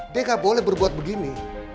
dia gak boleh berbuat begini